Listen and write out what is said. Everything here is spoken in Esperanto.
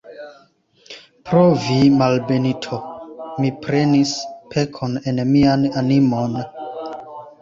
Pro vi, malbenito, mi prenis pekon en mian animon!